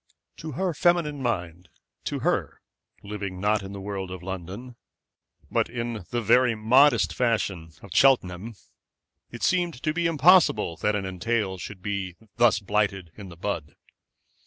To her feminine mind, to her, living, not in the world of London, but in the very moderate fashion of Cheltenham, it seemed to be impossible that an entail should be thus blighted in the bud.